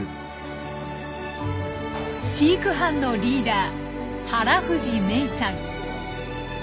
飼育班のリーダー原藤芽衣さん。